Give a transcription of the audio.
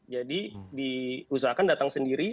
jadi diusahakan datang sendiri